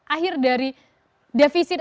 akhir dari defisit